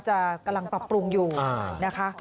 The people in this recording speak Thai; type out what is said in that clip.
กำลังปรับปรุงอยู่นะคะ